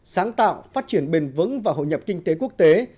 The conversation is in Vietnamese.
sáng tạo phát triển bền vững và hội nhập kinh tế quốc tế